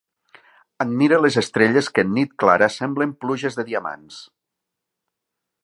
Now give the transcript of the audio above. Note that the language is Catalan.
Admire les estrelles que en nit clara semblen pluges de diamants.